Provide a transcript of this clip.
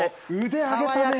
腕上げたね。